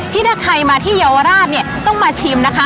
ถ้าใครมาที่เยาวราชเนี่ยต้องมาชิมนะคะ